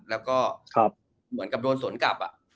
แล้วก็เหมือนกับโดนสวนกลับ